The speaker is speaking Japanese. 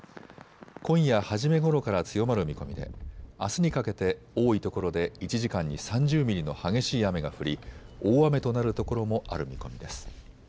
今夜初めごろから強まる見込みであすにかけて多い所で１時間に３０ミリの激しい雨が降り、大雨となるところもある見込みです。